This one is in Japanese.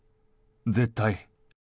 絶対。